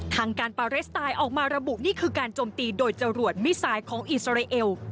ทางการปาเลสไตน์ออกมาระบุนี่คือการโจมตีโดยจรวดมิสไซด์ของอิสราเอล